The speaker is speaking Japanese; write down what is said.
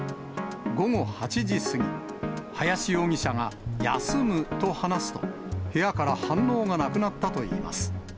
午後８時過ぎ、林容疑者が休むと話すと、部屋から反応がなくなったといいます。